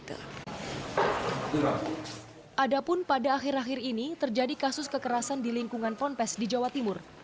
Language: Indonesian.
padahal pada akhir akhir ini terjadi kasus kekerasan di lingkungan ponpes di jawa timur